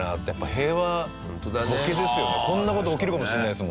こんな事起きるかもしれないですもんね。